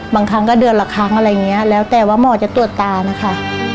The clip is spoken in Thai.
บางครั้งก็เดือนละครั้งอะไรอย่างนี้แล้วแต่ว่าหมอจะตรวจตานะคะ